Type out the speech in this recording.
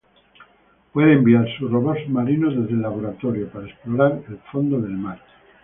Puede enviarse robots submarinos desde el laboratorio para explorar el fondo del mar.